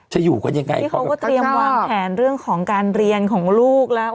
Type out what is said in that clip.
อยู่กันยังไงนี่เขาก็เตรียมวางแผนเรื่องของการเรียนของลูกแล้ว